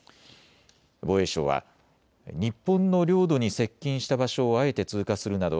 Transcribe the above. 防衛省は日本の領土に接近した場所をあえて通過するなど